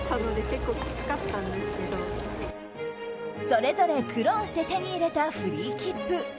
それぞれ苦労して手に入れたフリーきっぷ。